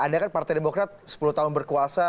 anda kan partai demokrat sepuluh tahun berkuasa